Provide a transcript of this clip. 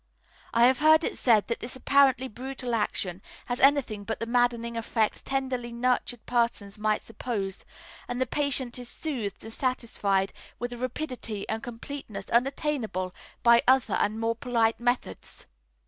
I have heard it said that this apparently brutal action has anything but the maddening effect tenderly nurtured persons might suppose, and that the patient is soothed and satisfied with a rapidity and completeness unattainable by other and more polite methods.